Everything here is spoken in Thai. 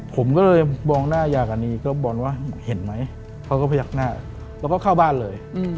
ผมก็เลยมองหน้ายากันอีกก็บ่นว่าเห็นไหมเขาก็พยักหน้าแล้วก็เข้าบ้านเลย